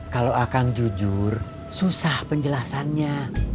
kalau akang jujur susah penjelasannya